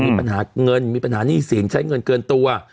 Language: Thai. มีปัญหาเงินมีปัญหาหนี้สินใช้เงินเกินตัว